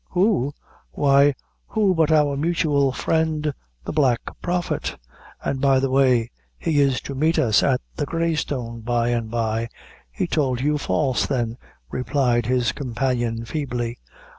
"Who? why who but our mutual friend, the Black Prophet; and by the way, he is to meet us at the Grey Stone, by and by." "He tould you false, then," replied his companion, feebly.